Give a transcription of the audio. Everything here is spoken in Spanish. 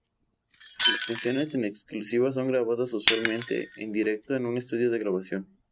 Las canciones en exclusiva son grabadas usualmente en directo en un estudio de grabación.